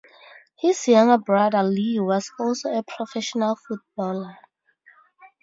His younger brother, Leo, was also a professional footballer.